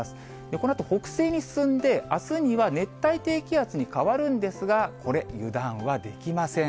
このあと北西に進んで、あすには熱帯低気圧に変わるんですが、これ、油断はできません。